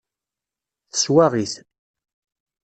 Teswaɣ-it.